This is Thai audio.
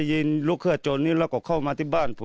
ผู้ตื่นลูกคือจนและเข้ามาที่บ้าน